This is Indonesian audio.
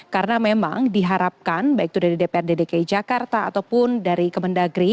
karena memang diharapkan baik itu dari dprd dki jakarta ataupun dari kementerian negeri